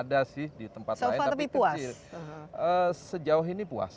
ada sih di tempat lain tapi kecil sejauh ini puas